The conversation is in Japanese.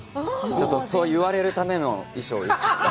ちょっとそう言われるための衣装で。